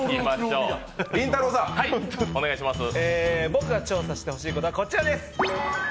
僕が調査してほしいことはこちらです。